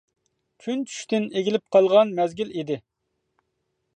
كۈن چۈشتىن ئېگىلىپ قالغان مەزگىل ئىدى.